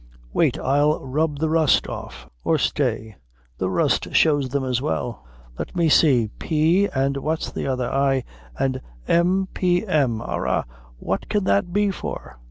Wait till I rub the rust off; or stay, the rust shows them as well. Let me see P. an' what's the other? ay, an' M. P. M. arra, what can that be for?